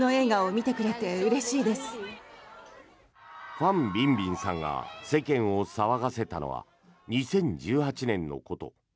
ファン・ビンビンさんが世間を騒がせたのは２０１８年のこと。